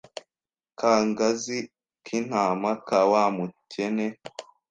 kagazi k intama ka wa mukene